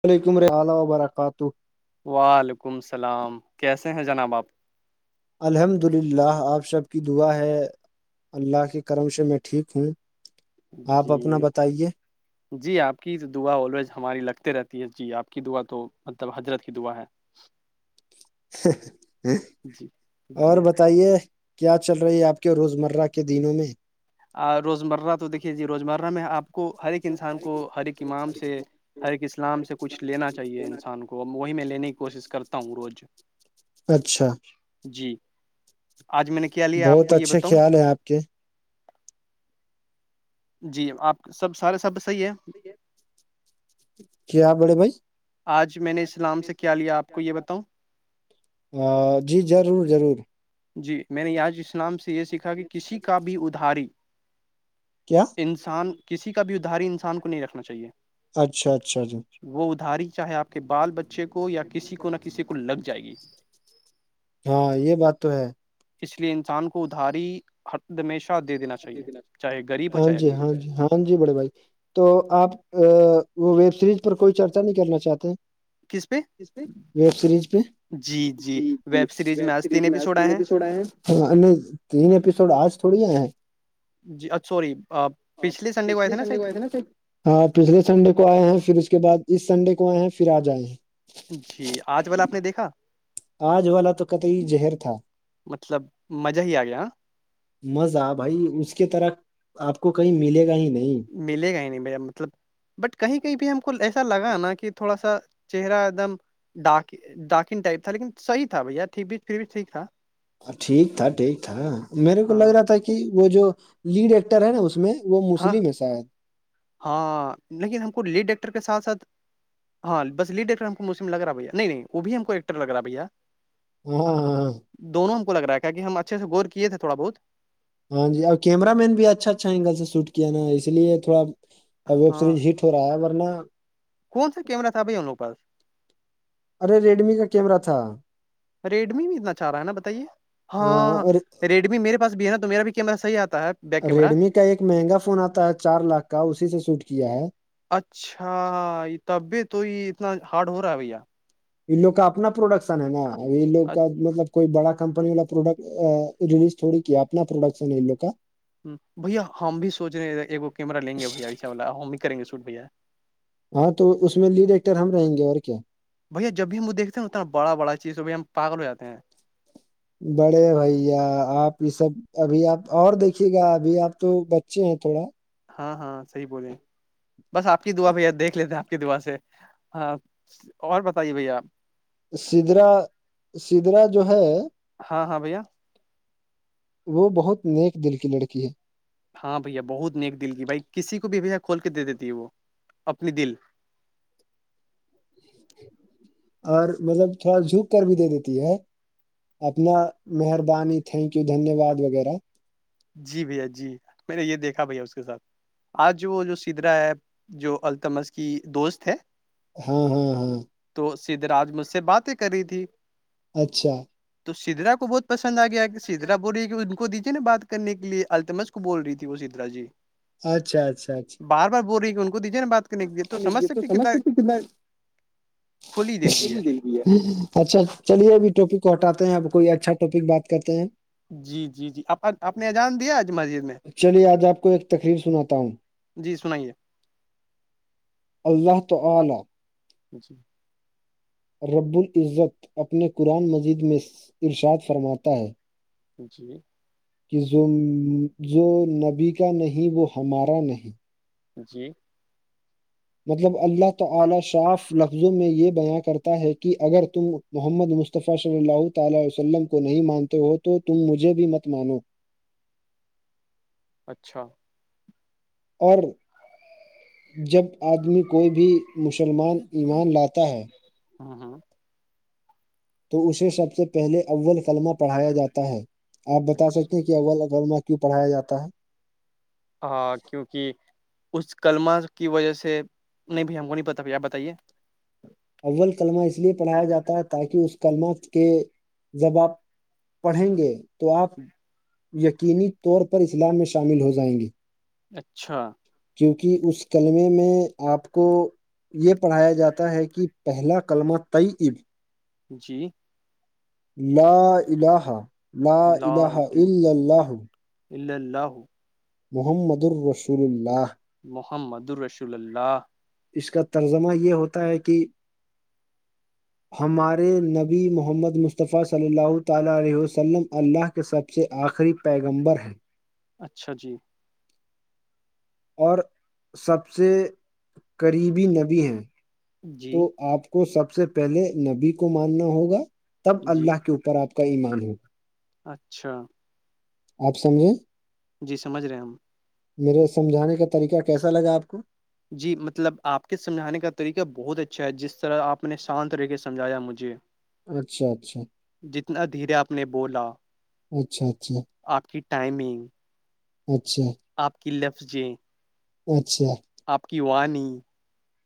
وعلیکم ر اللہ و برکاتہ وعلیکم السلام کیسے ہیں جناب آپ الحمد للہ آپ سب کی دعا ہے اللہ کے کرم سے میں ٹھیک ہوں آپ اپنا جی بتائیے جی آپ کی دعا آویز ہماری لگتے رہتی ہے جی آپ کی دعا تو مطلب حضرت کی دعا ہے [unintelligible] جی اور جی بتائیے کیا چل رہی ہے آپ کے روزمرہ کے دنوں میں آ روزمرہ تو دیکھیے جی روزمرہ میں آپ کو ہر ایک انسان کو ہر ایک امام سے ہر ایک اسلام سے کچھ لینا چاہیے انسان کو وہی میں لینے کی کوشش کرتا ہوں روز [unintelligible] اچھا جی آج میں نے کیا لیا آپ بہت کو یہ اچھے بتاؤں خیال ہیں آپ کے جی آپ سب سارے سب صحیح ہے کیا بڑے بھائی آج میں نے اسلام سے کیا لیا آپ کو یہ بتاؤں جی ضرور ضرور جی میں نے یاج اسلام سے یہ سیکھا کہ کسی کا بھی ادھاری کیا انسان کسی کا بھی ادھاری انسان کو نہیں رکھنا چاہیے اچھا اچھا جی وہ ادھاری چاہے آپ کے بال بچے کو یا کسی کو نہ کسی کو لگ جائے گی ہاں یہ بات تو ہے اس لیے انسان کو ادھاری ہر ہمیشہ دے دینا چاہیے چاہے غریب ہو ہاں چاہے جی امیر ہو ہاں جی ہاں جی بڑے بھائی تو آپ ویب سریز پر کوئی چرچا نہیں کرنا چاہتے ہیں کس پہ ویب سیریز پہ جی جی ویب سیریز میں آست نے بھی چھڑا ہیں تین ایپیسوڈ آج تھوڑی ہے ہیں جی ا سوری پچھلے سنڈے کو آئے تھے نا سید ہاں پچھلے سنڈے کو آئے ہیں پھر اس کے بعد اس سنڈے کو آئے ہیں پھر آج آئے ہیں جی آج وال آپ نے دیکھا آج والا تو کطعی زہر تھا مطلب مزہ ہی آ گیا مزہ بھائی اس کے طرح آپ کو کہیں ملے گا ہی نہیں ملے گا ہی نہیں بھیا مطلب بٹ کہیں کہیں بھی ہم کو ایسا لگا نا کہ تھوڑا سا چہرہ ایک دم ڈاکاک ڈاکن ٹائپ تھا لیکن صحی تھا بھیاٹیک بھیچ پھر بھی ٹھیک تھا ٹھیک تھا ٹھیک تھا میرے کو ہاں لگ رہا تھا کہ وہ جو لیڈ ایکٹر ہے نا اس میں وہ ہاں مسلم ہے شاید ہاں لیکن ہم کو لیڈ ڈیکٹر کے ساتھ ساتھ ہاں بس لیڈ ایکٹر ہم کو موسی لگ رہا بھیا نہیں وہ بھی ہم کو ایکٹر لگ رہا بھیا ہ ہ [unintelligible] [unintelligible] دونوں ہم کوگا ہے کہ ہم اچھے سے گورے تھڑا بہت ہاں جی اور کیمر مین بھی اچھا اچھا اینگل سے سوٹ کیا نا اس لیے تھوڑا اب ویب ہاں سیریز ہٹ ہو رہا ہے ورنہ کون سا کیما تھاھائی ان لووں پس ارے ریڈمی کا کیمرہ تھا ریڈمی میں اتنا چاہ رہا ہے نا بتائیے ہاں ریڈ میرے پاس بھی نا ما بھی کیمر صحی آتا ہے بیک کیمرہ ریڈمی کا ایک مہنگا فون آتا ہے چار لاکھ کا اسی سے شوٹ کیا ہے اچھا طبیعت تو ہی اتنا ہارڈ ہو رہا ہے بھیا ان لوگ کا اپنا پروڈکشن ہے نا ا یہ لوگ کا مطلب کوئی بڑا کمپنی والا پروڈکٹ ریلیز تھوڑی کیا اپنا پروڈکشن لو کا ہ بھیا ہم بھی سوچ رہے ہیں ایک کیمہ لیں گے بھیا اشا والا ہم بھی کریں گے سوٹ بھیا ہاں تو اس میں لیڈ ایکٹر ہم رہیں گے اور کیا بھیا جب بھی ہم وہ دیکتے ہیں اتنا بڑا بڑایزھائی ہم پال ہو جے ہیں بڑے بھیا آپ یہ سب ابھی آپ اور دیکھیے گا ابھی آپ تو بچے ہیں تھوڑا ہاں ہاں صحیح بولے بس آپ کی دعا بھیا دیکھ لیتے ہیں آپ کی دعا سے ہاں اور بتائیے بھیا سدرا سدرا جو ہے ہاں ہاں بھیا وہ بہت نیک دل کی لڑکی ہے ہاں بھیا بہت نیک دل کی بھائی کسی کو بھیہ کھول کے دے دیتی ہے وہ اپنی دل اور مطلب تھوڑا جھک کر بھی دے دیتی ہے اپنا مہربانی تھینک یو دھنیہ واد وغیرہ جی بھیا جی میں نے یہ دیکھا بھیا اس کے ساتھ آج وہ جو سدرا ہے جو التمز کی دوست ہے ہاں ہاں ہاں تو سدھ راج مجھ سے باتیں کر رہی تھی اچھا تو سدرا کو بہت پسند آ گیا کہ سدرا بولی کہ ان کو دیجیے نا بات کرنے کے لیے التمج کو بول رہی تھی وہ سترا جی اچھا اچھ اچھا بار بار ب رہی کہ ان کو دیجیےا بات تو سمجھ سکتی کتنا کھلی دل کی ہے اچھا چلیے ابھی ٹاپک کو ہٹاتے ہیں اب کوئی اچھا ٹاپک بات کرتے ہیں جی جی جی آپ نے اجان دیا آج مسجد میں چلیے آج آپ کو ایک تقریب سناتا ہوں جی سنائیے اللہ تعالی اچھا رب العزت اپنے قرآن مجید میں ارشاد فرماتا ہے جی کہ جو جو نبی کا نہیں وہ ہمارا نہیں جی مطلب اللہ تعالی شاف لفظوں میں یہ بیاں کرتا ہے کہ اگر تم محمد مصطفی صلی اللہ تعالی عیہ وسلم کو نہیں مانتے ہو تو تم مجھے بھی مت مانو اچھا اور جب آدمی کوئی بھی مسلمان ایمان لاتا ہے ہاں ہاں تو اسے سب سے پہلے اول قلمہ پڑھایا جاتا ہے آپ بتا اچھا سکتے ہیں کہ اول جب میں کیوں پڑایا جاتا ہے ہاں کیونکہ اس کلمہ کی وجہ سے نہیں بھی ہم کو نہیں پتا آپ بتائیے اول کلمہ اس لیے پڑھایا جاتا ہے تاکہ اس کلمہ کے باب پڑھیں گے تو آپ یقینی طور پر اسلام میں شامل ہو جائیں گے اچھا کیونکہ اس کلمے میں آپ کو یہ پڑھایا جاتا ہے کہ پہلا کلمہ طئی اب جی لا ال لا ال ال الل ل ہو محمد الرسول اللہ محمد الرس اللہ اس کا ترجمہ یہ ہوتا ہے کہ [inaudible] ہمارے نبی محمد مصطفی صلی اللہ تعالی علیہ وسلم اللہ کے سب سے آخری پیغمبر ہیں اچھا جی اور سب سے قریبی نبی ہیں جی تو آپ کو سب سے پہلے نبی کو ماننا ہوگا تب جی اللہ کے اوپر آپ کا ایمان ہوگ اچھا آپ سمجھیں جی سمجھ رہے ہیں ہم میرے سمجھانے کا طریقہ کیسا لگا آپ کو جی مطلب آپ کے سمجھانے کا طریقہ بہت اچھا ہے جس طرح آپ نے شانت رہ کے سمجھایا مجھے اچھا اچھا جتنا دھیرے آپ نے بولا اچھا اچھا آپ کی ٹائمنگ اچھا آپ کی لفظ جیں اچھا آپ کی وانی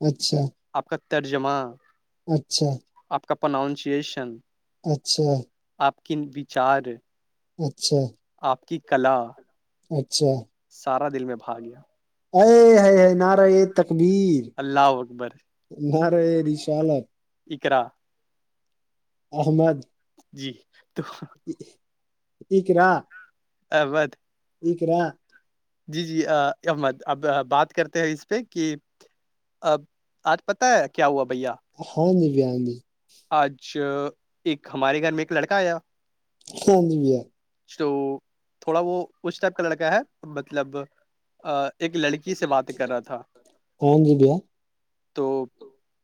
اچھا آپ کا ترجمہ اچھا آپ کا پرناؤنسیشن اچھا آپ ک وچار اچھا آپ کی کلا اچھا سارا دل میں بھا گیا ا ہ ہائے نہار ا تکبیر اللہ اکبر نہارے ر شالا اکرا احمد جی تو کیکرا ابد اکرا جی جی احمد اب بات کرتے ہیں اس پہ کہ اب آج پتہ ہے کیا ہوا بھیا ہاں جی بیی آج ایک ہمارے گھر میں ایک لڑکا آیا ہاں جی بھییاار تو تھوڑا وہ اس ٹائپ کا لڑکا ہے مطلب ایک لڑکی سے بات کر رہا تھا ہاں جی بھیا تو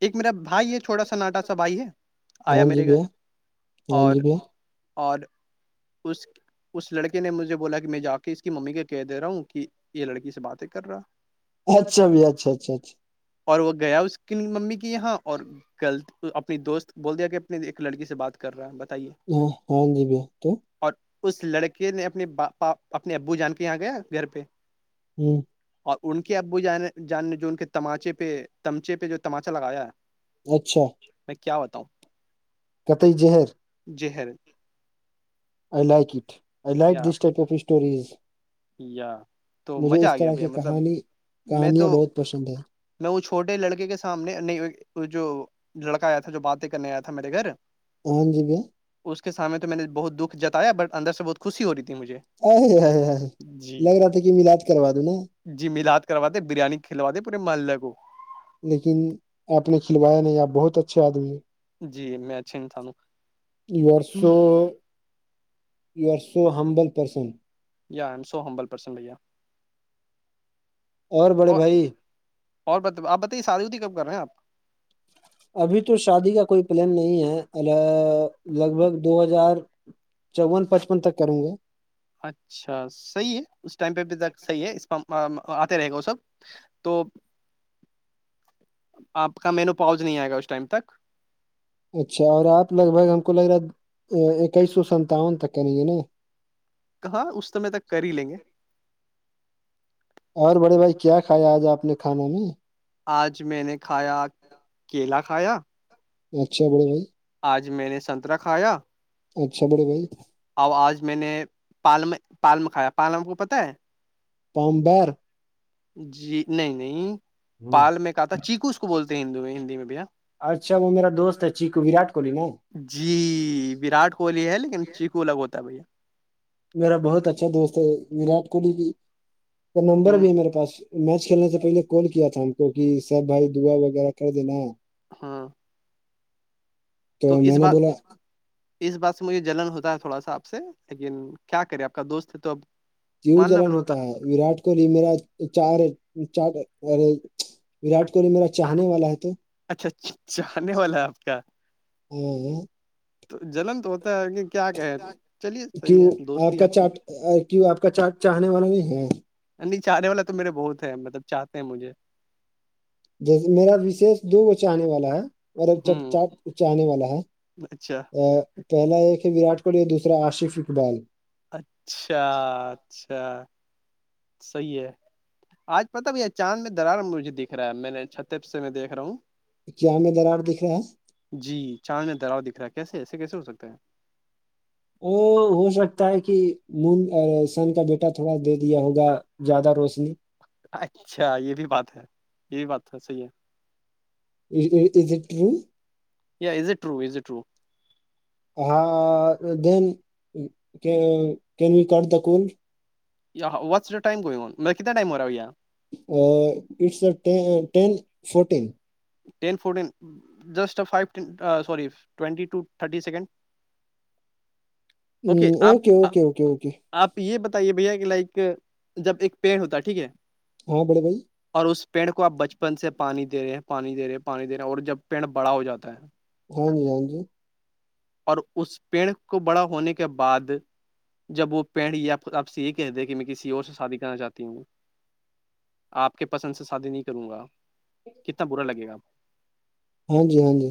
ایک میرا بھائی ہے چھوٹا سا ناٹا سا بھائی ہے آیا ہاں جی بھیا ہاں جی میرے گھر بھیا ہاں اور جی بھیا اور اس اس لڑکے نے مجھے بولا کہ میں جا کے اس کی ممی کے کہہ دے رہا ہوں کہ یہ لڑکی سے باتیں کر رہا اچھا بھ اچھا اچھا اچھا اور وہ گیا اس کی ممی کی یہاں اور کل اپنی دوست بول دیا کہ اپنی ایک لڑکی سے بات کر رہا ہے بتائیے ہاں ہاں دویہ تو اور اس لڑکے نے اپنےاا اپنے ابو جان کے یہاں گیا گھر پہ ہوں اور ان کے ابو جان جان نے جو ان کے تماچے پہ تمچے پہ جو تماچہ لگایا اچھا میں کیا بتاؤں کتئی ہر جہر آئی لائکٹ آ لائک یا دس ٹپ آ اسٹورز یا تو مجھے مزہ اس آ گیا طرح بھیا کی مطلب کہانی میں کہانیاں تو بہت پسند ہیں میں وہ چھوٹے لڑکے کے سامنے نہیں جو لڑکا آیا تھا جو باتیں کرنے آیا تھا میرے گھر ہاں جی بھیا اس کے سامنے تو میں نے بہت دکھ جتایا بٹ اندر سے بت خوش ہوی تھی مجھے ا ہ ہ جی لگ رہا تھا کہ ملاد کروا دوں نا جی ملاات کرواتے بریانی کھلواتے پورے محلے کو لیکن آپ نے کھلوایا نہیں آپ بہت اچھے آدمی ہیں جی میں اچھی تھ یو آر ہ so you are so humble person so ہبلسن بھیا اور بڑے بھائی اور ب آپ بتےادی ہوتی کب کر رہ ہیں آپ ابھی تو شادی کا کوئی پلان نہیں ہے ال لگ بھگ دو ہزار چون پچپن تک کروں گے اچھا صحیح ہے اس ٹائم پہ بھی صحیح ہے اس آتے رہے گا وہ سب تو آپ کا مینو پہنچ نہیں آئے گا اس ٹائم تک اچھا اور آپ لگ بھگ ہم کو لگ رہا ہے اکیس سو ستاون تک کریں گے نا کہاں اس سمے تک کر ہی لیں گے اور بڑے بھائی کیا کھائےیا آج آپ نے کھانا میں آج میں نے کھایا کیلا کھایا اچھا بولے بھائی آج میں نے سنترہ کھایا اچھا بڑے بھائی اب آج میں نے پالم پالم کھایا پالم کو پتاہ ہے پامبر جی نہیں نہیں ہ پال میں کہ تھا چیکو اس کو بولتے ہیں ہندو میں ہندی میں بھیا اچھا وہ میرا دوست ہے چ وراٹ کوہلی نا جی وراٹ کوہلی ہے لیکن چیکو الگ ہوتا ہے بھیا میرا بہت اچھا دوست ہے وراٹ کوہلی بھی کا نمبر ہ بھی ہے میرے پاس میچ کھیلنے سے پہلے کال کیا تھا ہم کو کہ سحب بھائی دعا وغیرہ کر دینا ہاں تو اس میں نے بات بولا اس بات سے مجھے جلن ہوتا ہے تھوڑا سا آپ سے لیکن کیا کرے آپ کا دوست ہے تو اب جیو ماننا جلن پڑتا ہوتا ہے وراٹ کوہلی میرا چار ارے وراٹ کوہلی میرا چاہنے والا ہے تو اچھاچ چاہنے والا ہے آپ کا تو جنلم تو ہوتا ہے آگے کی آپ کا چاٹ کی آپ کا چاٹ چاہنے والا نہیں ہے نہیں چارے والا تو میرے بہت ہے مطلب چاہتے ہیں مجھے جیس میرا وشیش دو بچ آنے والا ہے مطب چٹ ہوں چاٹ اچ آنے والا ہے اچھا ا پہلا ایک ہے وراٹ کوہلی اور دوسرا عصف اقبال اچھا اچھا صحیح ہے آج پت بھیا چاند میں درار مجے دکھ رہا ہے میں نے چھتر سے میں دیک رہا ہوں کیا ہمیں درار دکھ رہا ہے جی چاند میں دراؤ دکھ رہا ہے کیسے ایسے کیسے ہو سکتا ہے ا ہو سکتا ہے کہ م سن کا بیٹا تھوڑا دے دیا ہوگا زیادہ روشنی اچھا یہ بھی بات ہے یہ بھی باتا صحیح ہے ٹ یا is it row is it row ہاں دین کین وی کر د کول یہاں وات جو ٹائم گ کو گ مط کت ائمارا گیا ٹس ٹین فٹیین فٹ س اوکے آپ آپ یہ بتائیے بھیا کہ لائک جب ایک پیڑ ہوتا ٹھیک ہے ہاں بولے بھائی اور اس پیڑ کو آپ بچپن سے پانی دے رہے ہیں پانی دے رہے پانی دے رہے اور جب پیڑ بڑا ہو جاتا ہے ہاں جی ہاں جی اور اس پیڑ کو بڑا ہونے کے بعد جب وہ پیڑ یہ آپ سے یہ کہ د کہ میں کسی اور سے شادی کرنا چاہتی ہوں آپ کے پسند سے شادی نہیں کروں گا کتنا برا لگے گاپ ہاں جی ہاں جی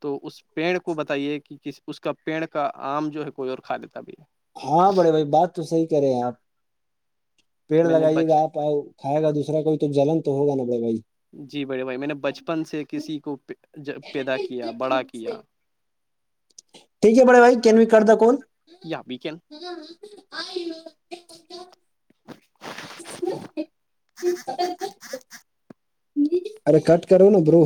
تو اس پیڑ کو بتا یہ کہ اس کا پیڑ کا آم جو ہے کوئی اور کھا لیتا بھی ہے ہاں بڑے بھائی بات تو صحی کرے ہیں آپ پیڑ میں نے لگائیے بچ گا آپ کھائے گا دوسرا کوئی تو جلن تو ہوگا نا ب بھائی جی بڑے بھائی میں نے بچپن سے کسی کو پیدا کیا بڑا کیا ٹھیک ہے بڑے بھائی کین بھی کرد کون یا بھییکن ہاں آئی ا ارے کٹ کر نا برو